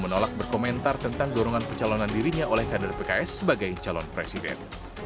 menolak berkomentar tentang dorongan pencalonan dirinya oleh kader pks sebagai calon presiden